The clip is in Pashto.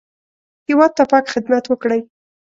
هېواد ته پاک خدمت وکړئ